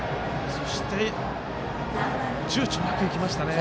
そして、ちゅうちょなくいきましたね。